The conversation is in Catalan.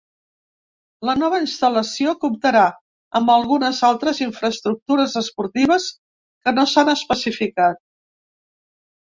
La nova instal·lació comptarà amb algunes altres infraestructures esportives que no s’han especificat.